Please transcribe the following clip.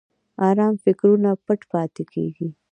ارام فکرونه پټ پاتې کېږي.